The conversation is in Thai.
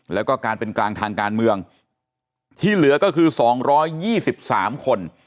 แล้วก็การเป็นกลางทางการเมืองที่เหลือก็คือ๒๒๓คน